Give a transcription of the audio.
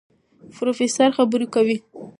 پروفېسر خبرې کوي.